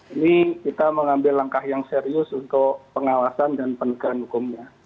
ini kita mengambil langkah yang serius untuk pengawasan dan penegahan hukumnya